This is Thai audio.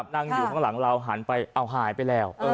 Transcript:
นั่งอยู่ข้างหลังเราหันไปเอาหายไปแล้ว